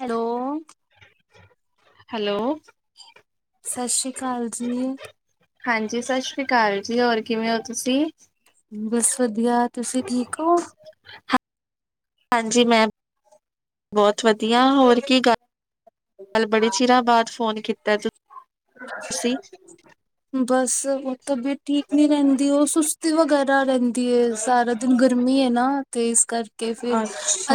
Hello. Hello. ਸਤਿ ਸ੍ਰੀ ਅਕਾਲ ਜੀ। ਹਾਂਜੀ ਸਤਿ ਸ਼੍ਰੀ ਅਕਾਲ ਜੀ ਹੋਰ ਕਿਵੇਂ ਹੋ ਤੁਸੀਂ? ਬਸ ਵਧੀਆ ਤੁਸੀਂ ਠੀਕ ਹੋ? ਹਾਂਜੀ ਮੈਂ, ਬਹੁਤ ਵਧੀਆ ਹੋਰ ਕੀ ਗੱਲ। ਕੱਲ ਬੜੇ ਚਿਰਾਂ ਬਾਅਦ ਫੋਨ ਕੀਤਾ ਤੁਸੀ। ਬਸ ਉਹ ਤਬੀਅਤ ਠੀਕ ਨੀ ਰਹਿੰਦੀ ਉਹ ਸੁਸਤੀ ਵਗੈਰਾ ਰਹਿੰਦੀ ਹੈ ਸਾਰਾ। ਦਿਨ ਗਰਮੀ ਹੈ ਨਾ ਤੇ ਇਸ ਕਰਕੇ। ਫਿਰ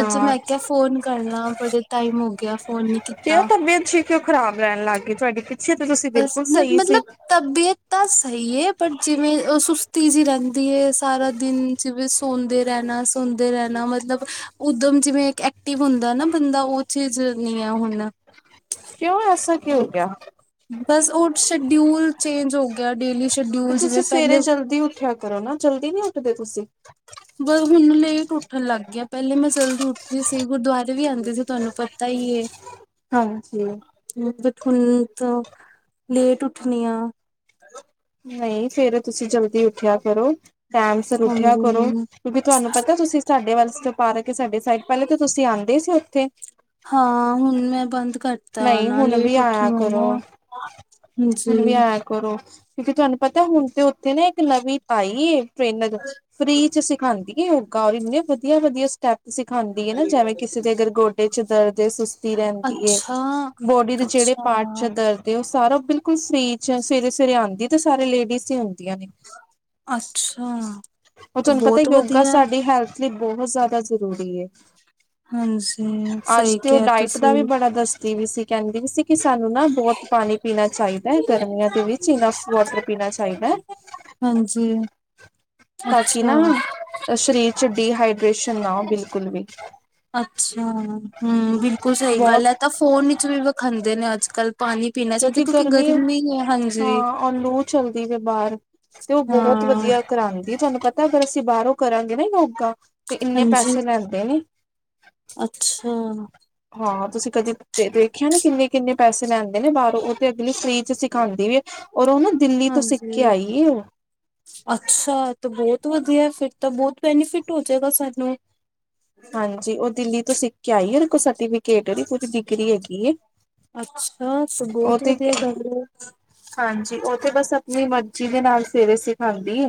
ਅੱਜ ਮੈਂ ਕਿਹਾ ਫੋਨ ਕਰਨਾ ਬੜੇ ਟਾਈਮ ਹੋ ਗਿਆ ਫੋਨ ਨਹੀ। ਤੇ ਤਬੀਅਤ ਸੀ ਕਿਉ ਉਹ ਖਰਾਬ ਰਹਿਣ ਲੱਗ ਗਈ ਤੁਹਾਡੀ ਪਿੱਛੇ ਤਾਂ ਤੁਸੀਂ ਬਸ ਬਿਲਕੁਲ ਸਹੀ ਸੀ। ਮਤਲਬ ਤਬੀਅਤ ਤਾਂ ਸਹੀ ਹੈ ਪਰ ਜਿਵੇਂ ਉਹ ਸੁਸਤੀ ਜਿਹੀ ਰਹਿੰਦੀ ਹੈ ਸਾਰਾ ਦਿਨ। ਜਿਵੇਂ ਸੌਦੇ ਰਹਿਣਾ ਸੁਣਦੇ ਰਹਿਣਾ ਮਤਲਬ ਉਦਮ ਜਿਵੇਂ ਇੱਕ ਐਕਟਿਵ ਹੁੰਦਾ ਨਾ ਬੰਦਾ ਉਹ। ਚੀਜ਼ ਨਹੀਂ ਆ ਹੁਣ। ਕਿਉਂ ਐਸਾ ਕਿ ਹੋ ਗਿਆ। ਬਸ ਉਹ ਸ਼ਡਿਊਲ ਚੇਂਜ ਹੋ ਗਿਆ ਡੇਲੀ ਸ਼ਡਿਊਲ ਜਿਵੇਂ ਪਹਿਲੇ। ਦੀ ਉੱਠਿਆ। ਕਰੋ ਨਾ ਜਲਦੀ ਨੀ ਉੱਠਦੇ ਤੁਸੀਂ। ਬਸ ਹੁਣ ਲੇਟ ਉੱਠਣ ਲੱਗ ਗਿਆ ਪਹਿਲੇ ਮੈਂ ਜਲਦੀ ਉੱਠਦੀ। ਜੀ ਅਸੀ ਗੁਰਦੁਆਰੇ ਵੀ ਆਉਂਦੇ ਸੀ ਤੁਹਾਨੂੰ ਪਤਾ ਹੀ ਹੈ ਹਾਂਜੀ ਹੁਣ ਤਾਂ ਲੇਟ ਉੱਠਣੀ ਆ ਨਈ ਸਵੇਰੇ ਤੁਸੀਂ ਜਲਦੀ ਉੱਠਿਆ ਕਰੋ, ਟਾਈਮ ਸਿਰ ਉੱਠਿਆ ਕਰੋ, ਹਾਂਜੀ ਕਿਉਂਕਿ ਤੁਹਾਨੂੰ ਪਤਾ ਤੁਸੀਂ ਸਾਡੇ ਵੱਲ ਸਾਡੇ ਵਾਸਤੇ ਪਾਰਕ ਸਾਡੇ ਸਾਈਡ, ਪਹਿਲੇ ਤੇ ਤੁਸੀਂ ਆਉਂਦੇ ਸੀ ਉੱਥੇ ਹਾਂ ਹੁਣ ਮੈਂ ਬੰਦ ਕਰਤਾ ਆ, ਨਹੀਂ ਨਾ ਹੁਣ ਵੀ ਲੇਟ ਆਇਆ ਉੱਠਣੀ ਕਰੋ, ਆਨਾ ਹਾਂਜੀ ਹੁਣ ਵੀ ਐ ਕਰੋ, ਕਿਉਂਕਿ ਤੁਹਾਨੂੰ ਪਤਾ ਹੁਣ ਤੇ ਉੱਥੇ ਨਾ ਇੱਕ ਨਵੀਂ ਆਈ ਐ, ਟ੍ਰੇਨਰ ਫ੍ਰੀ ਚ ਸਿਖਾਉਦੀ ਹੈ ਯੋਗਾ, ਔਰ ਇੰਨੇ ਵਧੀਆ- ਵਧੀਆ ਸਟੈਪ ਸਿਖਾਉਦੀ ਹੈ ਨਾ, ਜਿਵੇਂ ਕਿਸੇ ਦੇ ਅਗਰ ਗੋ ਪਿੱਛੇ ਦਰਦ ਏ, ਸੁਸਤੀ ਰਹਿੰਦੀ ਹੈ, ਅੱਛਾ ਬੋਡੀ ਦੇ ਜਿਹੜੇ ਅੱਛਾ ਪਾਰਟ ਚ ਦਰਦ ਤੇ ਉਹ ਸਾਰਾ ਬਿਲਕੁਲ ਫ੍ਰੀ ਚ ਐ, ਸਵੇਰੇ- ਸਵੇਰੇ ਆਉਂਦੀ ਤੇ ਸਾਰੇ ਲੇਡੀਜ਼ ਹੀ ਹੁੰਦੀਆਂ ਨੇ ਅੱਛਾ ਉਹ ਤਾਂ ਤੁਹਾਨੂੰ ਪਤਾ ਬਹੁਤ ਯੋਗਾ ਵਧੀਆ ਸਾਡੀ ਹੈਲਥ ਇਸ ਲਈ ਬਹੁਤ ਜ਼ਿਆਦਾ ਜ਼ਰੂਰੀ ਹੈ। ਹਾਂਜੀ ਅੱਜ ਸਹੀ ਤੇ ਉਹ ਕਿਹਾ ਡਾਇਟ ਦਾ ਤੁਸੀਂ ਵੀ ਬੜਾ ਦਸਤੀ ਵੀ ਸੀ ਕਹਿੰਦੀ ਸੀ ਕਿ ਸਾਨੂੰ ਨਾ ਬਹੁਤ ਪਾਣੀ ਪੀਣਾ ਚਾਹੀਦਾ ਹੈ, ਗਰਮੀਆਂ ਦੇ ਵਿੱਚ, ਈਨਫ ਵਾਟਰ ਪੀਣਾ ਚਾਹਿਦਾ ਹਾਂਜੀ, ਕਿ ਅੱਛਾ ਨਾ ਤਾਂ ਸਰੀਰ ਚ ਡੀਹਾਈਡਰੇੇਸ਼ਨ ਨਾ, ਬਿਲਕੁਲ ਵੀ ਅੱਛਾ, ਹੂ ਬਿਲਕੁਲ ਸਹੀ ਗੱਲ ਬਹੁਤ ਹੈ, ਤਾਂ ਫੋਨ ਵਿੱਚ ਵੀਖਾਂਦੇ ਨੇ ਅੱਜ ਕੱਲ ਪਾਣੀ ਇਹ ਸੋਚਿਆ, ਕਿਉਂਕਿ ਗਰਮੀ ਹੈ। ਹਾਂਜੀ ਹਾਂ ਉਹ ਲੂ ਚੱਲਦੀ ਵੇ ਬਾਹਰ, ਤੇ ਉਹ ਬਹੁਤ ਹਾਂ ਵਧੀਆ ਕਰਾਉਂਦੀ ਤੁਹਾਨੂੰ ਪਤਾ ਤਾਂ ਅਗਰ ਅਸੀਂ ਬਾਹਰੋਂ ਕਰਾਂਗੇ ਨਾ ਯੋਗਾ, ਤੇ ਇੰਨੇ ਹਾਂਜੀ ਪੈਸੇ ਲੈਂਦੇ ਨੇ ਅੱਛਾ ਹਾਂ ਤੁਸੀਂ ਕਦੇ ਵੇਖਿਆ ਨੀ, ਕਿੰਨੇ ਕਿਨੇ ਪੈਸੇ ਲੈਣ ਦੇ ਨੇ ਬਾਹਰੋਂ, ਉਹ ਤੇ ਅਗਲੀ ਫ੍ਰੀ ਚ ਸਿਖਾਂਦੀ ਵੀ ਹੈ, ਔਰ ਉਹ ਨਾ ਦਿੱਲੀ ਤੋਂ ਸਿੱਖ ਕੇ ਹਾਂਜੀ ਆਈ ਉਹ ਅੱਛਾ ਏ ਤੇ ਬਹੁਤ ਵਧੀਆ, ਫਿਰ ਤਾਂ ਬਹੁਤ ਬੈਨੀਫਿਟ ਹੋ ਜਾਏਗਾ ਸਾਨੂੰ [unintelligible] ਹਾਂਜੀ ਉਹ ਦਿੱਲੀ ਤੋਂ ਸਿੱਖ ਕੇ ਆਈ ਏ, ਔ ਦੇ ਕੋਲ ਸਰਟੀਫਿਕੇਟ ਐ, ਪੂਰੀ ਡਿਗਰੀ ਹੈਗੀ ਏ ਅੱਛਾ ਬਹੁਤ ਵਧੀਆ ਗੱਲ ਹ [unintelligible] ਹਾਂਜੀ ਉਹ ਤੇ ਬਸ ਆਪਣੀ ਮਰਜੀ ਦੇ ਨਾਲ ਸਵੇਰੇ ਸਿਖਾਂਦੀ ਆ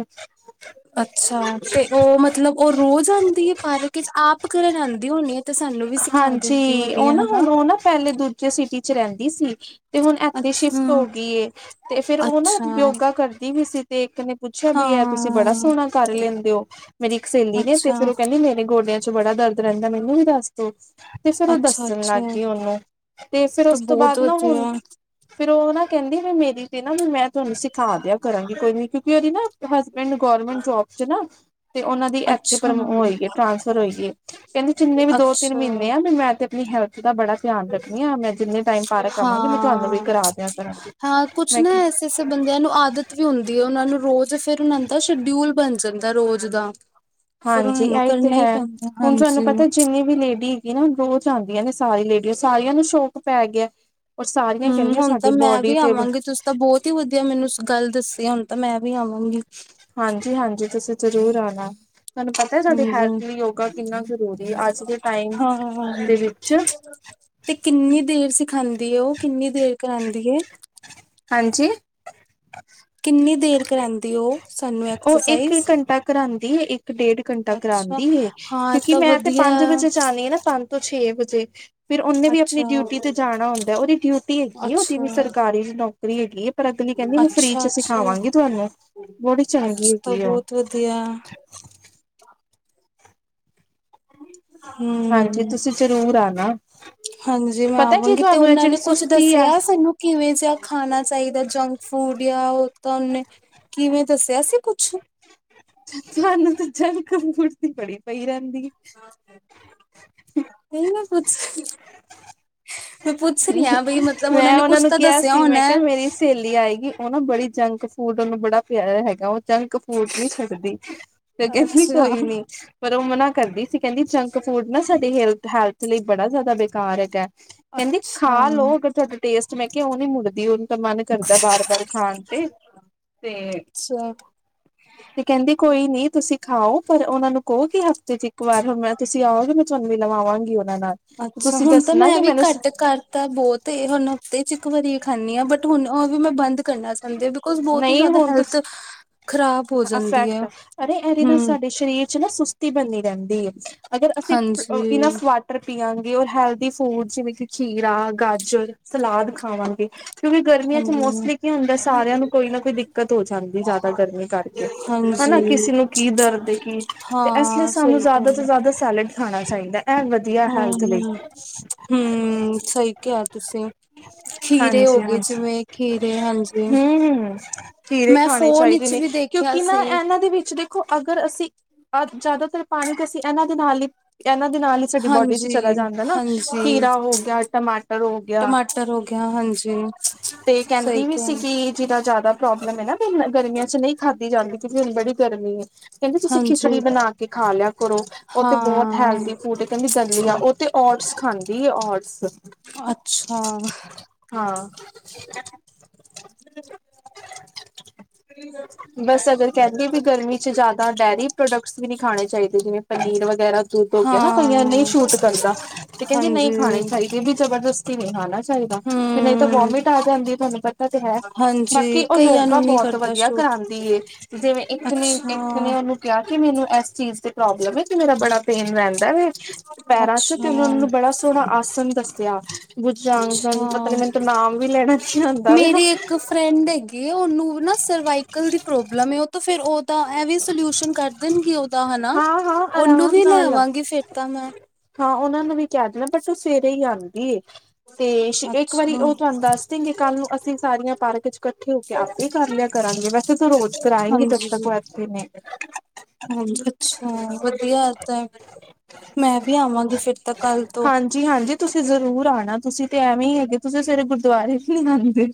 ਅੱਛਾ ਤੇ ਉਹ ਮਤਲਬ ਉਹ ਰੋਜ਼ ਆਉਂਦੀ ਹੈ ਪਾਰਕ ਵਿੱਚ, ਆਪ ਕਰਨ ਆਉਂਦੀ ਹੋਣੀ ਹੈ ਤੇ ਸਾਨੂੰ ਵੀ ਸਿਖਾ ਦਿੰਦੀ ਹਾਂਜੀ ਹੁੰਦੀ ਉਹ ਹੈ ਨਾ ਹਨਾ ਹੁਣ ਉਹ ਨਾ ਪਹਿਲੇ ਦੂਜੇ ਤੇ ਸਿਟੀ ਚ ਰਹਿੰਦੀ ਸੀ, ਤੇ ਹੁਣ ਇੱਥੇ ਸ਼ਿਫਟ ਅੱਛਾ ਹੋ ਗਈ ਏ ਤੇ ਫੇਰ ਉਹ ਨਾ ਅੱਛਾ ਯੋਗਾ ਕਰਦੀ ਵੀਸੀ, ਤੇ ਇੱਕ ਨੇ ਪੁੱਛਿਆ ਵੀ ਯ ਤੁਸੀਂ ਬੜਾ ਹਾਂ ਸੋਹਣਾ ਕਰ ਲੈਂਦੇ ਹੋ ਮੇਰੀ ਇੱਕ ਸਹੇਲੀ ਨੇ, ਤੇ ਅੱਛਾ ਫ਼ਿਰ ਉਹ ਕਹਿੰਦੀ ਮੇਰੇ ਗੋਡਿਆਂ ਚ ਬੜਾ ਦਰਦ ਰਹਿੰਦਾ ਮੈਨੂੰ ਵੀ ਦੱਸ ਤੇ ਫੇਰ ਉਹ ਅੱਛਾ ਦੱਸਣ ਲੱਗ ਅੱਛਾ ਗਈ ਉਹਨੂੰ, ਤੇ ਫੇਰ ਤਾਂ ਉਸ ਤੋਂ ਬਹੁਤ ਬਾਅਦ ਨਾ ਹੁਣ ਵਧੀਆ ਫੇਰ ਉਹ ਨਾ ਕਹਿੰਦੀ ਵੀ ਮੇਰੀ ਤੇ ਨਾ ਮੈਂ ਤੁਹਾਨੂੰ ਸਿਖਾ ਦਿਆ ਕਰਾਂਗੀ ਕੋਈ ਨੀ, ਕਿਉਂਕਿ ਉਹਦੇ ਨਾ ਹਸਬੈਂਡ ਗੌਰਮੈਂਟ ਜੋਬ ਚ ਨਾ ਤੇ ਉਹਨਾਂ ਦੀ ਇੱਥੇ ਅੱਛਾ ਪ੍ਰਮੋ ਹੋਈਗੀ ਏ, ਟ੍ਰਾਂਸਫਰ ਹੋਈਏ ਕਹਿੰਦੀ ਜਿੰਨੇ ਵੀ ਦੋ ਤਿੰਨ ਅੱਛਾ ਮਹੀਨੇ ਆ, ਵੀ ਮੈਂ ਤੇ ਨਈ ਹੈਲਥ ਦਾ ਬੜਾ ਧਿਆਨ ਰੱਖਣੀ ਹਾਂ, ਮੈਂ ਜਿੰਨੇ ਟਾਈਮ ਪਾਰਕ ਆਵਾਗੀ, ਮੈਂ ਤੁਹਾਨੂੰ ਵੀ ਹਾਂ ਕਰਾ ਦਿਆਂ ਕਰਾਗੀ ਹਾਂ ਕੁਛ ਨਾ ਕਿਸੇ ਬੰਦਿਆਂ ਨੂੰ ਆਦਤ ਵੀ ਹੁੰਦੀ ਹੈ, ਉਹਨਾਂ ਨੂੰ ਰੋਜ਼ ਫੇਰ ਉਹਨਾ ਦਾ ਸ਼ਡਿਊਲ ਬਣ ਜਾਂਦਾ ਰੋਜ਼ ਦਾ [inaudible] ਹਾਂਜੀ ਨੂੰ ਇਹਹੀ ਤੇ ਕਰਨਾ ਹੀ ਹੈ, ਪੈਂਦਾ ਹੁਣ ਤੁਹਾਨੂੰ ਹਾਂਜੀ ਪਤਾ ਜਿੰਨੀ ਵੀ ਲੇਡੀ ਹੈਗੀ ਨਾ, ਰੋਜ਼ ਆਦੀਆਂ ਨੇ ਸਾਰੀ ਲੇਡੀ ਸਾਰੀਆਂ ਨੂੰ ਸ਼ੌਕ ਪੈ ਗਿਆ ਉਹ ਸਾਰੀਆਂ ਹਮ ਕਹਿੰਦੀਆਂ, ਹੁਣ ਤਾਂ ਸਾਡੀ ਮੈਂ ਬੋਡੀ ਵੀ ਤੇ ਆਵਾਂਗੀ ਤੁਸੀਂ ਤਾਂ ਬਹੁਤ ਹੀ ਵਧੀਆ ਮੈਨੂੰ ਗੱਲ ਦੱਸੀ, ਹੁਣ ਤਾਂ ਮੈਂ ਵੀ ਆਵਾਂਗੀ ਹਾਂਜੀ- ਹਾਂਜੀ ਤੁਸੀਂ ਜ਼ਰੂਰ ਆਉਣਾ ਤੁਹਾਨੂੰ ਪਤਾ ਹੈ ਸਾਡੇ ਹੈਲਥ ਹਾਂਜੀ ਲਈ ਯੋਗਾ ਕਿੰਨਾ ਜ਼ਰੂਰੀ ਹੈ ਅੱਜ ਦੇ ਟਾਈਮ ਹਾਂ ਦੇ ਵਿੱਚ ਤੇ ਕਿੰਨੀ ਦੇਰ ਸਿਖਾਉਂਦੀ ਉਹ ਕਿੰਨੀ ਦੇਰ ਕਰਾਉਂਦੀ ਏ ਹਾਂਜੀ ਕਿੰਨੀ ਦੇਰ ਕਰਾਉਂਦੀ ਉਹ ਸਾਨੂੰ ਉਹ ਇੱਕ ਐਕਸਰਸਾਈਜ਼ -ਇੱਕ ਘੰਟਾ ਕਰਾਉਂਦੀ ਏ, ਇੱਕ ਡੇਢ ਘੰਟਾ ਕਰਾਉਂਦੀ ਅੱਛਾ ਏ ਹਾਂ ਕਿਉਂਕਿ ਤਾਂ ਮੈਂ ਤੇ ਵਧੀਆ ਪੰਜ ਵਜੇ ਜਾਣੀ ਆ ਨਾ, ਪੰਜ ਤੋਂ ਛੇ ਵਜੇ ਫਿਰ ਉਹਨੇ ਵੀ ਆਪਣੀ ਅੱਛਾ, ਡਿਊਟੀ ਤੇ ਜਾਣਾ ਹੁੰਦਾ, ਉਹਦੀ ਡਿਊਟੀ ਹੁੰਦੀ ਉਹਦੀ ਅੱਛਾ, ਵੀ ਸਰਕਾਰੀ ਰੀ ਹੈਗੀ ਪਰ ਅਗਲੀ ਕਹਿੰਦੀ ਮੈਂ ਫਰੀ ਅੱਛਾ, ਚ ਅੱਛਾ। ਸਿਖਾਵਾਂਗੀ ਤੁਹਾਨੂੰ ਬੜੀ ਅੱਛਾ ਚੰਗੀ ਤਾਂ ਹੈਗੀ ਆ। ਬਹੁਤ ਵਧੀਆ ਹ [inaudible] ਹਾਂਜੀ ਤੁਸੀਂ ਜ਼ਰੂਰ ਆਣਾ ਹਾਂਜੀ ਮੈਂ ਪਤਾ ਕੀ ਆਵਾਂਗੀ ਤੇ ਤੁਹਾਨੂੰ ਇਹ ਉਹਨਾਂ ਜਿਹੜੀ ਨੇ ਕੁੱਛ ਸੁਸਤੀ ਆ ਦੱਸਿਆ ਸਾਨੂੰ ਕਿਵੇਂ ਜਿਹਾ ਖਾਣਾ ਚਾਹੀਦਾ ਜੰਕ ਫੂਡ ਜਾਂ ਹੋ ਤਾਂ ਉਹਨੇ ਕਿਵੇਂ ਦੱਸਿਆ ਸੀ ਕੁੱਛ ਮੈਨੂੰ ਤਾਂ ਜੰਕ ਫੂਡ ਦੀ ਬੜੀ ਪਈ ਰਹਿੰਦੀ ਹੈ ਉਹਨੂੰ ਕੁਛ ਮੈਂ ਉਹਨਾਂ ਨੂੰ ਕਿਹਾ ਦੱਸਿਆ ਸੀ ਮੈਂ ਹੋਣਾ। ਕਿਹਾ ਮੇਰੀ ਸਹੇਲੀ ਆਏਗੀ ਉਹ ਨਾ ਬੜੀ ਜੰਕ ਫੂਡ ਉਹਨੂੰ ਬੜਾ ਪਿਆਰ ਹੈਗਾ, ਉਹ ਜੰਕ ਫੂਡ ਵਿਚ ਕਰਦੀ, ਤੇ ਕਹਿੰਦੀ ਅੱਛਾ, ਕੋਈ ਨੀ, ਪਰ ਉਹ ਮਨਾ ਕਰਦੀ ਸੀ ਕਹਿੰਦੀ ਜੰਕ ਫੂਡ ਨਾ ਸਾਡੀ ਹੈਲਥ, ਹੈਲਥ ਲਈ ਬੜਾ ਜ਼ਿਆਦਾ ਬੇਕਾਰ ਹੈਗਾ, ਕਹਿੰਦੀ ਅੱਛਾ, ਖਾ ਲਓ ਅਗਰ ਤੁਹਾਡੇ ਟੇਸਟ ਮੈਂ ਕਿਹਾ ਉਹ ਨੀ ਮੁੜਦੀ ਉਹਨੂੰ ਤਾਂ ਮਨ ਕਰਦਾ ਬਾਰ- ਬਾਰ ਖਾਣ ਤੇ, ਤੇ ਅੱਛਾ ਤੇ ਕਹਿੰਦੀ ਕੋਈ ਨੀ ਤੁਸੀਂ ਖਾਓ ਪਰ ਉਹਨਾ ਨੂੰ ਕਹੋਗੇ ਹਫ਼ਤੇ 'ਚ ਇੱਕ ਵਾਰ ਹੁਣ ਮੈਂ ਤੁਸੀਂ ਆਓਗੇ ਮ ਝੁਣਨੀ ਲਵਾਂਗੀ ਉਹਨਾ ਨਾਲ ਅੱਛਾ, ਤੁਸੀਂ ਹੁਣ ਤਾਂ ਦੱਸਣਾ ਮੈਂ ਕਿ ਵੀ ਮੈਨੂੰ ਘੱਟ ਕਰ ਤਾਂ ਬਹੁਤ ਹੁਣ ਹਫ਼ਤੇ ਚ ਇੱਕ ਵਾਰੀ ਖਾਂਦੀ ਹਾਂ ਬਟ ਹੁਣ ਉਹ ਵੀ ਮੈਂ ਬੰਦ ਕਰਨਾ ਚਾਹੁੰਦੇ, ਬਿਕੋਜ ਬਹੁਤ ਹੀ ਨਹੀਂ ਜ਼ਿਆਦਾ ਹੁਣ ਹੈਲਥ ਤੁਸੀਂ ਖ਼ਰਾਬ ਹੋ ਜਾਂਦੀ ਹੈ ਅਫੈਕਟ, ਅਰੇ ਇਹਦੇ ਨਾਲ ਹਮ ਸਾਡੇ ਸਰੀਰ 'ਚ ਨਾ ਸੁਸਤੀ ਬਣਦੀ ਰਹਿੰਦੀ ਹੈ ਅਗਰ ਅਸੀਂ, ਇੰਨਾ ਹਾਂਜੀ ਸਵਾਦ ਪੀਆਂਗੇ ਔਰ ਹੈਲਦੀ ਫੂਡ ਜਿਵੇਂ ਕਿ ਖੀਰਾ, ਗਾਜਰ ਸਲਾਦ ਖਾਵਾਂਗੇ ਕਿਉਂਕਿ ਗਰਮੀਆਂ 'ਚ ਹਾਂਜੀ ਮੋਸਟਲੀ ਕੀ ਹੁੰਦਾ ਸਾਰਿਆਂ ਨੂੰ ਕੋਈ ਨਾ ਕੋਈ ਦਿੱਕਤ ਹੋ ਜਾਂਦੀ ਜ਼ਿਆਦਾ ਗਰਮੀ ਕਰਕੇ ਹਨਾ, ਹਾਂਜੀ ਕਿਸੇ ਨੂੰ ਕੀ ਦਰਦੇ ਕੀ ਤੇ ਇਸ ਲਈ ਹਾਂ ਸਾਨੂੰ ਸਹੀ ਜ਼ਿਆਦਾ ਗੱਲ ਤੋਂ ਜ਼ਿਆਦਾ ਸੈਲਡ ਖਾਣਾ ਚਾਹੀਦਾ ਹੈ ਇਹ ਵ ਹਮ- ਹਮ- ਹਮ ਸਹੀ ਕਿਹਾ ਤੁਸੀਂ, ਖੀਰੇ ਹੋ ਹਾਂਜੀ ਗਏ ਹਾਂਜੀ ਜਿਵੇਂ ਖੀਰੇ ਹਾਂਜੀ, ਹੂੰ। ਖੀਰੇ ਮੈਂ ਖਾਣੇ ਫੋਨ ਚਾਹੀਦੇ ਵਿਚ ਨੇ ਵੀ ਦੇਖ ਕਿਉਂਕਿ ਨਾ ਇਹਨਾਂ ਦੇ ਵਿੱਚ ਦੇਖੋ ਅਗਰ ਅਸੀਂ, ਅਹ ਜ਼ਿਆਦਾਤਰ ਪਾਣੀ ਅਸੀਂ ਇਹਨਾਂ ਦੇ ਨਾਲ ਹੀ ਇਹਨਾਂ ਦੇ ਨਾਲ ਹੀ ਸਾਡੀ ਬੋਡੀ 'ਚ ਚਲਾ ਹਾਂਜੀ ਜਾਂਦਾ ਨਾ, ਹਾਂਜੀ ਖੀਰਾ ਹੋ ਗਿਆ, ਟਮਾਟਰ ਹੋ ਗਿਆ ਟਮਾਟਰ ਹੋ ਗਿਆ ਹਾਂਜੀ ਤੇ ਸਹੀ ਕਹਿੰਦੀ ਵੀ ਕਿਹਾ ਸੀਗੀ, ਜਿਦਾ ਜ਼ਿਆਦਾ ਪ੍ਰੋਬਲਮ ਹੈ ਨਾ ਵੀ ਨਾ ਗਰਮੀਆਂ ਚ ਨਹੀਂ ਖਾਧੀ ਜਾਂਦੀ ਕਿਉਂਕਿ ਹੁਣ ਬੜੀ ਗਰਮੀ ਹੈ ਕਹਿੰਦੀ ਤੁਸੀਂ ਹਾਂਜੀ ਖਿਚੜੀ ਬਣਾ ਕੇ ਖਾ ਲਿਆ ਕਰੋ, ਉਹਤੇ ਬਹੁਤ ਹਾਂ, ਹੈਲਥ ਫੂਡ ਕਹਿੰਦੀ ਚੱਲੀ ਆ, ਉਹ ਤੇ ਔਰਟਸ ਖਾਂਦੀ ਔਰਟਸ ਅੱਛਾ ਹਾਂ ਬਸ ਅਗਰ ਕਹਿੰਦੀ ਵੀ ਗਰਮੀ ਚ ਜ਼ਿਆਦਾ ਡੇਅਰੀ ਪ੍ਰੋਡਕਟ ਵੀ ਨੀ ਖਾਣੇ ਚਾਹੀਦੇ ਜਿਵੇਂ ਪਨੀਰ ਵਗੈਰਾ ਦੁਧ ਹੋ ਕੇ ਨਾ ਕਈਆਂ ਨਹੀਂ ਹਾਂ, ਸ਼ੂਟ ਕਰਦਾ, ਤੇ ਕਹਿੰਦੇ ਨਹੀਂ ਹਾਂਜੀ। ਖਾਣੇ ਚਾਹੀਦੇ ਵੀ ਜਬਰਦਸਤੀ ਨਹੀਂ ਹਨਾ ਚਾਹੀਦਾ ਵੀ ਨਹੀਂ ਤਾਂ ਹੂੰ, ਵੋਮਿਟ ਆ ਜਾਂਦੀ ਤੁਹਾਨੂੰ ਪਤਾ ਤੇ ਹੈ, ਬਾਕੀ ਹਾਂਜੀ ਉਹ ਕਈਆਂ ਯੋਗਾ ਨੂੰ ਨੀ ਬਹੁਤ ਕਰਦਾ ਵਧੀਆ ਸੂਟ ਆਉਂਦੀ ਏ, ਜਿਵੇਂ ਇੱਕ ਨੇ ਅੱਛਾ। ਇੱਕ ਨੇ ਉਹਨੂੰ ਕਿਹਾ ਕਿ ਮੈਨੂੰ ਇਸ ਚੀਜ਼ ਤੇ ਪ੍ਰੋਬਲਮ ਹੈ ਕਿ ਮੇਰਾ ਬੜਾ ਪੇਨ ਰਹਿੰਦਾ ਹੈ ਪੈਰਾਂ 'ਚੋਂ ਤੇ ਉਹਨਾਂ ਅੱਛਾ, ਨੂੰ ਬੜਾ ਸੋਹਣਾ ਆਸਣ ਦੱਸਿਆ ਬੁੱਝਾਗ, ਪਤਾ ਅੱਛਾ ਨੀ ਮੈਨੂੰ ਤ ਨਾਮ ਵੀ ਲੈਣਾ ਨੀ ਆਉਂਦਾ ਵਾ ਬੀ ਉਹਨੂੰ ਨਾ ਸਰਵਾਈਕਲ ਦੀ ਪ੍ਰੋਬਲਮ ਉਹ ਤਾਂ ਫੇਿਰ ਉਹ ਤਾਂ ਇਹ ਵੀ ਸਲਿਊਸ਼ਨ ਕਰ ਦੇਣਗੇ ਉਹਦਾ ਹਨਾ, ਹਾਂ ਹਾਂ ਉਹਨੂੰ ਆਰਾਮ ਵੀ ਨਾਲ ਲੈਵਾਂਗੀ ਫੇਿਰ ਤਾਂ ਮੈਂ ਹਾਂ, ਉਹਨਾਂ ਨੂੰ ਵੀ ਕਹਿ ਦੇਣਾ ਬਟ ਉਹ ਸਵੇਰੇ ਹੀ ਆਉਂਦੀ ਏ ਤੇ ਇੱਕ ਵਾਰੀ ਅੱਛਾ ਉਹ ਤੁਹਾਨੂੰ ਦੱਸ ਸਿੰਘ ਕੱਲ ਨੂੰ ਅਸੀਂ ਸਾਰੀਆਂ ਪਾਰਕ ਚ ਇਕੱਠੇ ਹੋ ਕੇ ਆਪੇ ਕਰ ਲਿਆ ਕਰਾਂਗੇ, ਵੈਸੇ ਤਾਂ ਰੋਜ਼ ਕਰਾਏਂਗੇ ਜਦ ਤੱਕ ਇੱਥੇ ਨੇ। ਹ ਅੱਛਾ ਵਧੀਆਤ ਹੈ [unintelligible] ਮੈਂ ਵੀ ਆਵਾਂਗੀ, ਫਿਰ ਤਾਂ ਕੱਲ੍ਹ ਤੋਂ। ਜੀ ਹਾਂਜੀ, ਤੁਸੀਂ ਜ਼ਰੂਰ ਆਉਣਾ ਤੁਸੀਂ ਤੇ ਐਵੇਂ ਹੀ ਹੈਗੇ ਤੁਸੀਂ ਸਵੇਰੇ ਗੁਰਦੁਆਰੇ ਨਹੀਂ ਆਉਂਦੇ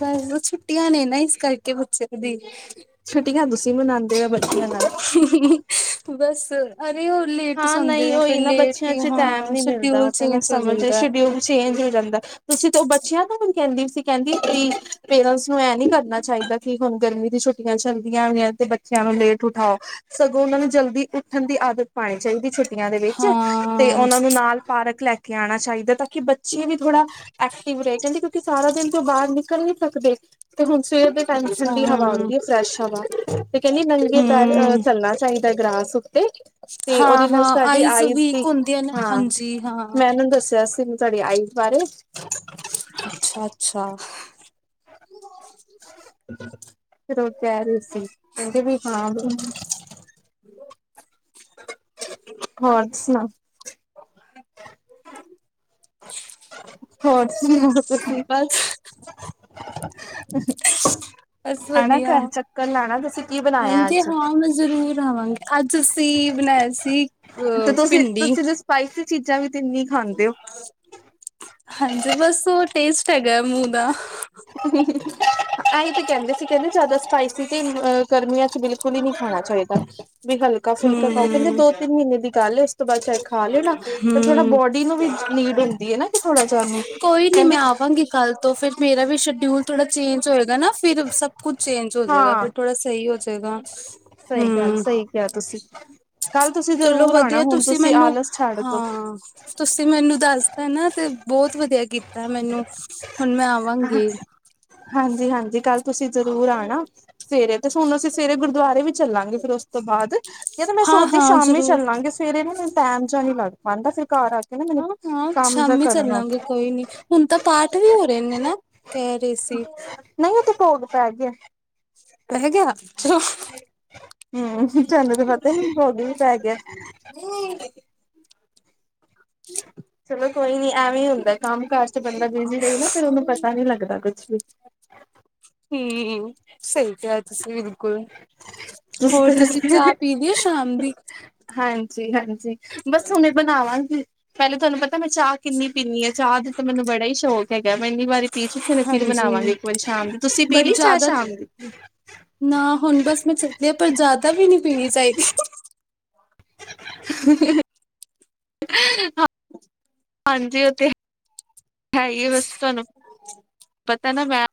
ਬਸ, ਛੁੱਟੀਆਂ ਨੇ ਨਾ ਇਸ ਕਰਕੇ ਬੱਚੇ ਦੀ ਛੁੱਟੀਆਂ ਤੁਸੀਂ ਮਨਾਉਂਦੇ ਓ ਬੱਚਿਆਂ ਨਾ ਹੂੰ, ਹੂੰ ਬਸ। ਅਰੇ, ਉਹ ਲੇਟ ਹਾਂ ਸੋਂਦੇ ਨਹੀਂ ਆ ਫਿਰ ਉਹੀ ਨਾ ਲੇਟ ਬੱਚਿਆਂ ਹੀ ਚ ਟੈਮ ਹਾਂ ਨੀ ਮਿਲਦਾ ਸ਼ਡਿਊਲ ਉਹ ਤੇ ਚੇਂਜ ਮੈਂ ਹੋ ਸਮਝ ਜਾਂਦਾ ਸ਼ਡਿਊਲ ਚੇਂਜ ਹੋ ਜਾਂਦਾ ਤੁਸੀਂ ਤੇ ਉਹ ਬੱਚਿਆਂ ਨੂੰ ਹੁਣ ਕਹਿੰਦੀ ਸੀ, ਕਹਿੰਦੀ ਕਿ ਪੇਰੈਂਟਸ ਨੂੰ ਇਹ ਨੀ ਕਰਨਾ ਚਾਹੀਦਾ ਕਿ ਹੁਣ ਗਰਮੀ ਦੀ ਛੁੱਟੀ ਛੁਟੀਆਂ ਚੱਲਦੀਆਂ ਹੋਈਆਂ ਤੇ ਬੱਚਿਆਂ ਨੂੰ ਲੇਟ ਉਠਾਓ ਸਗੋਂ ਉਹਨਾਂ ਨੂੰ ਜਲਦੀ ਉੱਠਣ ਦੀ ਆਦਤ ਪਾਉਣੀ ਚਾਹੀਦੀ ਛੁੱਟੀਆਂ ਦੇ ਵਿੱਚ ਤੇ ਹਾਂ ਉਹਨਾਂ ਨੂੰ ਨਾਲ ਪਾਰਕ ਲੈ ਕੇ ਆਉਣਾ ਚਾਹੀਦਾ ਤਾਂ ਕਿ ਬੱਚ ਬੱਚੇ ਵੀ ਥੋੜਾ ਐਕਟਿਵ ਰਹੇ ਕਹਿੰਦੇ ਕਿਉਂਕਿ ਸਾਰਾ ਦਿਨ ਤੇ ਓ ਬਾਹਰ ਨਿਕਲ ਨਹੀਂ ਸਕਦੇ। ਤੇ ਹੁਣ ਸਵੇਰ ਦੇ ਟਾਈਮ ਠੰਡੀ ਹਾਂ ਹਵਾ ਆਉਂਦੀ ਹੈ ਫਰੈਸ਼ ਹਵਾ ਤੇ ਕਹਿੰਦੀ ਨੰਗੇ ਪੈਰ ਹੂੰ ਚੱਲਣਾ ਚਾਹੀਦਾ ਗ੍ਰਾਸ ਉੱਤੇ ਤੇ ਉਹਦੇ ਹਾਂ ਨਾਲ ਹਾਂ ਸਾਡੀ ਆਈਜ਼ ਦੀ ਵੀਕ ਹੁੰਦੀਆਂ ਨੇ ਹਾਂ, ਹਾਂਜੀ ਹਾਂ। ਮੈਂ ਉਹਨੂੰ ਦੱਸਿਆ ਸੀ ਸਾਡੀ ਆਈਜ਼ ਬਾਰੇ। ਅੱਛਾ, ਅੱਛਾ। ਫਿਰ ਉਹ ਕਹਿ ਰਹੇ ਸੀ, ਕਹਿੰਦੇ ਵੀ ਹਾਂ ਵੀ ਹ। [unintelligible] ਹੋਰ, ਸੁਣਾਓ? ਹੋਰ ਸੁਣਾਓ, ਤੁਸੀਂ? ਬਸ ਬਸ, ਆਣਾ ਵਧੀਆ। ਘਰ ਚੱਕਰ ਲਾਣਾ ਤੁਸੀਂ ਕੀ ਬਣਾਇਆ ਹਾਂਜੀ, ਅੱਜ ਹਾਂ ਮੈਂ ਜ਼ਰੂਰ ਆਵਾਂਗੀ ਅੱਜ ਅਸੀਂ ਬਣਾਏ ਸੀ ਕ ਤੇ ਤੁਸੀਂ ਭਿੰਡੀ। ਤੁਸੀਂ ਤੇ ਸਪਾਈਸੀ ਚੀਜ਼ਾਂ ਵੀ ਤੇ ਇੰਨੀ ਖਾਂਦੇ ਹੋ। ਹਾਂਜੀ, ਬਸ ਉਹ ਟੇਸਟ ਹੈਗਾ ਮੂੰਹ ਦਾ। ਅਏਂ ਤੇ ਕਹਿੰਦੇ ਸੀ, ਕਹਿੰਦੇ ਜਿਆਦਾ ਸਪਾਈਸੀ ਤੇ ਅ ਗਰਮੀਆਂ ਚ ਬਿਲਕੁਲ ਹੀ ਨਹੀਂ ਖਾਣਾ ਚਾਹੀਦਾ ਵੀ ਹਲਕਾ ਫੁਲਕਾ ਖਾਓ ਕਹਿੰਦੇ ਹੂੰ ਦੋ ਤਿੰਨ ਮਹੀਨੇ ਦੀ ਗੱਲ ਹੈ ਤੋਂ ਬਾਅਦ ਸ਼ਾਇਦ ਖਾ ਲੈਣਾ ਪਰ ਥੋੜਾ ਹੂੰ ਬੋਡੀ ਨੂੰ ਵੀ ਨੀਡ ਹੁੰਦੀ ਹੈ ਨਾ ਕਿ ਥੋੜਾ ਜਾੂੰ ਕੋਈ ਨੀ ਮੈਂ ਕਹਿੰਦੇ ਆਵਾਂਗੀ ਕੱਲ ਤੋਂ ਫੇਿਰ ਮੇਰਾ ਵੀ ਸ਼ਡਿਊਲ ਥੋੜਾ ਚੇਂਜ ਹੋਏਗਾ ਨਾ। ਫਿਰ ਸਭ ਕੁਛ ਚੇਂਜ ਹੋ ਜਾਏਗਾ ਹਾਂ ਫਿਰ ਥੋੜਾ ਸਹੀ ਹੋ ਜਾਏਗਾ। ਸਹੀ ਗੱਲ, ਹਮ ਸਹੀ ਕਿਹਾ ਤੁਸੀਂ ਕੱਲ ਤੁਸੀਂ ਚਲੋ ਜਰੂਰ ਆਣਾ ਵਧੀਆ ਹੁਣ ਤੁਸੀਂ ਮੈਨੂੰ ਆਲਸ ਛੱਡ ਦੋ। ਹਾਂ, ਤੁਸੀਂ ਮੈਨੂੰ ਦੱਸਤਾ ਨਾ ਤੇ ਬਹੁਤ ਵਧੀਆ ਕੀਤਾ ਮੈਨੂੰ ਹੁਣ, ਮੈਂ ਆਵਾਂਗੀ। ਹਾਂਜੀ, ਹਾਂਜੀ ਕੱਲ ਤੁਸੀਂ ਜ਼ਰੂਰ ਆਣਾ ਸਵੇਰੇ ਤੇ ਹੁਣ ਅਸੀਂ ਰੇ ਗੁਰਦੁਆਰੇ ਵੀ ਚੱਲਾਂਗੇ ਫੇਿਰ ਉਸ ਤੋਂ ਬਾਅਦ ਯਾ ਤਾ ਮੈਂ ਹਾਂ ਸੋਚਦੀ ਹਾਂ ਸ਼ਾਮੀ ਜ਼ਰੂਰ ਚੱਲਾਂਗੇ ਸਵੇਰੇ ਨਾ ਮੈਨੂੰ ਟਾਈਮ ਜਾ ਨੀ ਲੱ ਹਾਂ, ਹਾਂ ਜਾ ਸ਼ਾਮੀ ਕਰਨਾ ਚੱਲਾਂਗੇ ਕੋਈ ਨੀ ਹੁਣ ਤਾਂ ਪਾਠ ਵੀ ਹੋ ਰਹੇ ਨੇ ਨਾ? ਕਹਿ ਰਹੇ ਸੀ ਨਹੀਂ, ਉਹ ਤੇੇ ਭੋਗ ਪੈ ਗਿਆ। ਪਹਿ ਗਿਆ। ਹਮ ਤੁਹਾਨੂੰ ਤਾਂ ਪਤਾ ਨੀ ਭੋਗ ਵੀ ਪੈ ਗਿਆ [unintelligible] ਹਮ। [unintelligible] ਚਲੋ ਕੋਈ ਨੀ, ਐਵੇਂ ਹੀ ਹੁੰਦਾ ਕੰਮ ਕਾਰ ਚ ਬੰਦਾ ਬਿਜ਼ੀ ਰਹੀ ਨਾ ਫੇਿਰ ਉਹਨੂੰ ਪਤਾ ਨੀ ਲੱਗਦਾ ਕੁਛ ਵੀ। ਹੂੰ, ਸਹੀ ਕਿਹਾ ਤੁਸੀਂ ਬਿਲਕੁਲ। ਹੋਰ ਤੁਸੀਂ ਚਾਹ ਪੀ ਲੀ ਏ ਸ਼ਾਮ ਦੀ? ਹਾਂਜੀ-ਹਾਂਜੀ, ਬਸ ਹੁਣ ਇਹ ਬਣਾਵਾਂਗੀ। ਪਹਿਲੇ ਤੁਹਾਨੂੰ ਪਤਾ ਮੈਂ ਚਾਹ ਕਿੰਨੀ ਪੀਨੀ ਆ, ਚਾਹ ਦਾ ਤਾਂ ਮੈਨੂੰ ਬੜਾ ਹੀ ਸ਼ੌਕ ਹੈਗਾ ਮੈ ਇੰਨੀ ਵਾਰੀ ਪੀ ਚੁੱਕੀ ਫਿਰ ਹਾਂਜੀ ਬਣਾਵਾਂਗੀ ਇੱਕ ਵਾਰੀ ਸ਼ਾਮ ਦੀ, ਤੁਸੀਂ ਪੀ ਲਈ ਬਟ ਚਾਹ ਜ਼ਿਆਦਾ ਸ਼ਾਮ ਦੀ? ਦੇ ਪਰ ਜ਼ਿਆਦਾ ਵੀ ਨਈ ਪੀਣੀ ਚਾਹੀਦੀ। [inaudible] [inaudible] ਹਾਂਜੀ ਉਹ ਤੇ ਹੀ ਹੈ ਬਸ ਤੁਹਾਨੂੰ ਪਤਾ ਨਾ ਮੈਂ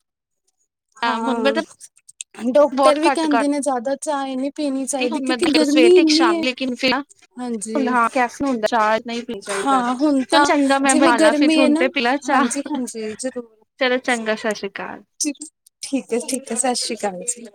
ਹੁਣ ਮੈਂ ਤਾਂ ਹਾਂ। ਡਾਕਟਰ ਬਹੁਤ ਵੀ ਘੱਟ ਕਹਿੰਦੇ ਨੇ ਕਰਤੀ ਜ਼ਿਆਦਾ ਚਾਏ ਨੀ ਪੀਣੀ ਚਾਹੀਦੀ ਹੁਣ ਮੈਂ ਕਿਉਂਕਿ ਇੱਕ ਸਵੇਰ ਗਰਮੀ ਤੇ ਇੱਕ ਇੰਨੀ ਸ਼ਾਮ ਐ। ਲੇਕਿਨ ਫਿਰ ਹਾਂਜੀ। ਹਾਂ ਕੈਫੀਨ ਹੁੰਦਾ ਚਾਅ ਨਈ ਪੀ ਚਾਹੀਦੀ ਜ਼ਿਆਦਾ, ਹਾਂ ਹੁਣ ਚ ਤਾਂ ਚੰਗਾ ਮੈਂ ਜਿਵੇਂ ਬਣਾ ਲਾ ਫੇਰ ਗਰਮੀ ਹੈ ਹੁਣ ਨਾ ਤੇ ਪੀਲਾ ਚਾਹ। ਹਾਂਜੀ ਹਾਂਜੀ ਜ਼ਰੂਰ। ਚਲੋ ਚੰਗਾ, ਸਤਿ ਸ਼੍ਰੀ ਅਕਾਲ। ਠੀਕ ਠੀਕ ਐ, ਠੀਕ ਐ ਸਤਿ ਸ਼੍ਰੀ ਅਕਾਲ ਜੀ।